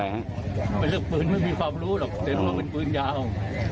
แล้วมีโดนกลุ่มพวกเราอย่างไรไหมฮะ